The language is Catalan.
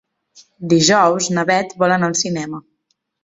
Dijous na Bet vol anar al cinema.